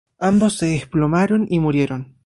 Ambos se desplomaron y murieron.